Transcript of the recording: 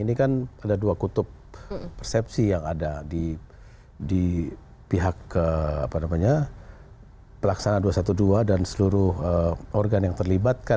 ini kan ada dua kutub persepsi yang ada di pihak pelaksana dua ratus dua belas dan seluruh organ yang terlibat